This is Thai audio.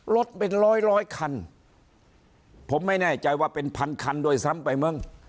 รถเป็นร้อยร้อยคันผมไม่แน่ใจว่าเป็นพันคันด้วยซ้ำไปมั้ง